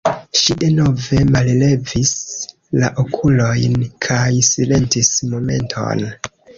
Ŝi denove mallevis la okulojn kaj silentis momenton.